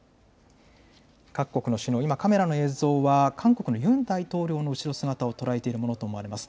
各国の首脳、今カメラの映像は韓国のユン大統領の後ろ姿を捉えているものと思われます。